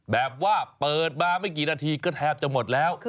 แบบว่าเปิดมาไม่กี่นาทีก็แทบจะหมดแล้ว